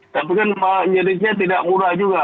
tapi kan jenisnya tidak mudah juga